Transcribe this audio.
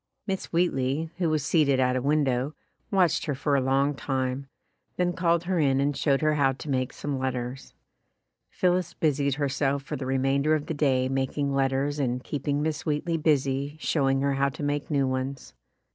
Miss Wheatley, who was seated at a window, watched her for a long time, then called her in and showed her how to make some letters. Phillis busied herself for the remainder of the day making letters and keep ing Miss Wheatley busy showing her how to make new ones.